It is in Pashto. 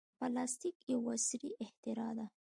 پلاستيک یو عصري اختراع ده.